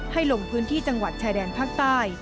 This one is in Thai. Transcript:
ลงพื้นที่จังหวัดชายแดนภาคใต้